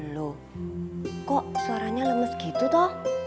loh kok suaranya lemes gitu toh